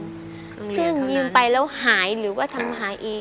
เครื่องเรียนเท่านั้นเครื่องยืมไปแล้วหายหรือว่าทำหายเอง